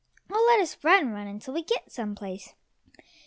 Oh, let us run, run until we get some place."